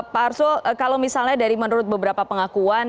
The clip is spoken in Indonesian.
pak arsul kalau misalnya dari menurut beberapa pengakuan